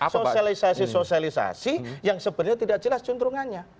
sosialisasi sosialisasi yang sebenarnya tidak jelas centrungannya